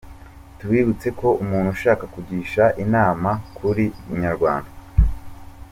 Tubibutse ko umuntu ushaka kugisha inama kuri inyarwanda.